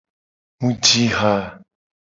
Mu ji ha.